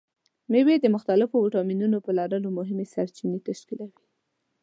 مېوې د مختلفو ویټامینونو په لرلو مهمې سرچینې تشکیلوي.